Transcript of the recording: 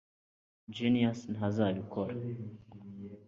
genius ntazabikora